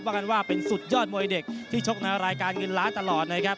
กันว่าเป็นสุดยอดมวยเด็กที่ชกในรายการเงินล้านตลอดนะครับ